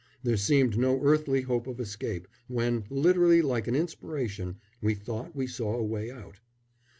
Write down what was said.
There seemed no earthly hope of escape, when, literally like an inspiration, we thought we saw a way out.